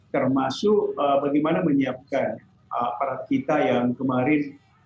termasuk bagaimana menyiapkan aparat kita yang kemarin